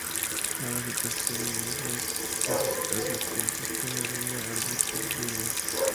La vegetación en las islas es escasa, consiste en arena, arbustos y hierbas.